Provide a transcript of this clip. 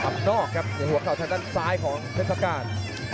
อับนอกครับให้หัวเข้าใช้ทางซ้ายของเฟสการ